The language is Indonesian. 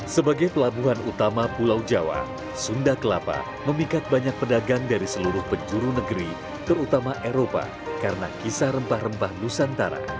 sebagai pelabuhan utama pulau jawa sunda kelapa memikat banyak pedagang dari seluruh penjuru negeri terutama eropa karena kisah rempah rempah nusantara